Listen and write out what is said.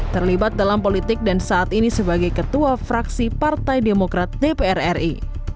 terlibat dalam politik dan saat ini sebagai ketua fraksi partai demokrat dpr ri